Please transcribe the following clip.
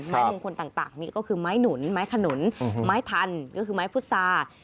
ไม้มงคลต่างนี่ก็คือไม้หนุนไม้ขนุนไม้ทันก็คือไม้พุษา